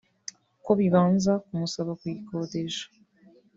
ko bibanza kumusaba kuyikodesha